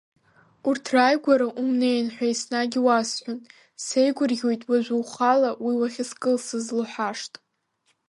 Урҭ рааигәара умнеин ҳәа еснагь иуасҳәон, сеигәырӷьоит уажәы ухала уи уахьызкылсыз лҳәашт.